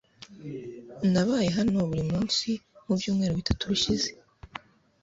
Nabaye hano buri munsi mubyumweru bitatu bishize